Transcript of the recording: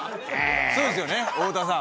そうですよね太田さん。